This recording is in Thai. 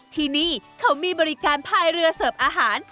ที่นี่เขามีบริการพายเรือเสิร์ฟอาหาร